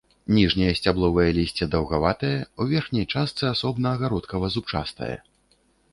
Ніжняе сцябловае лісце даўгаватае, у верхняй частцы асобна гародкава-зубчастае.